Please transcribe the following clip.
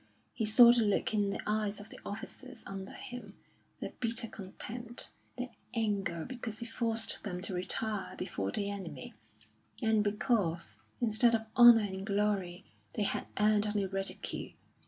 He saw the look in the eyes of the officers under him, their bitter contempt, their anger because he forced them to retire before the enemy; and because, instead of honour and glory, they had earned only ridicule.